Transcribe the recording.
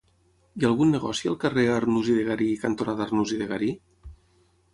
Hi ha algun negoci al carrer Arnús i de Garí cantonada Arnús i de Garí?